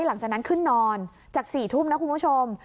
หลังจากนั้นขึ้นนอนจาก๔ทุ่มนะคุณผู้ชม